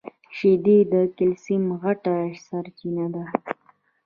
شیدې د کلیسم غټه سرچینه ده.